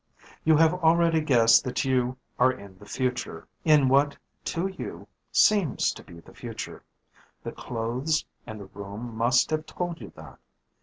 "You have already guessed that you are in the future in what, to you, seems to be the future. The clothes and the room must have told you that.